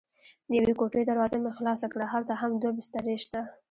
د یوې کوټې دروازه مې خلاصه کړه: هلته هم دوه بسترې شته.